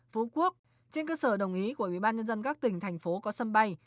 phú quốc trên cơ sở đồng ý của ubnd các tỉnh thành phố có sân bay